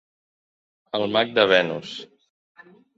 "El Mag de Venus".